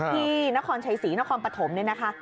ที่นครชัยศรีนครปฐมเนี่ยนะคะ